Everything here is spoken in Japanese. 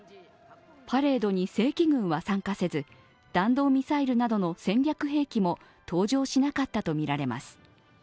パレードに正規軍は参加せず、弾道ミサイルなどの戦略兵器なども登場しなかったとみられます。